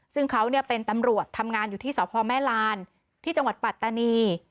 ซึ่งเขาเป็นตำรวจทำงานอยู่ที่สพแม่ลานที่จังหวัดปัตตานี